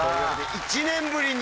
１年ぶりに。